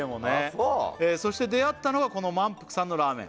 そう「そして出会ったのがこの万福さんのラーメン」